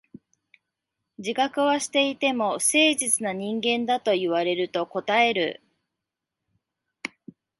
自覚はしていても、不誠実な人間だと言われると応える。